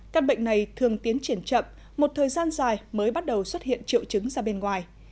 căn bệnh này thường tiến triển chậm một thời gian dài mới bắt đầu xuất hiện triệu chứng ra bên ngoài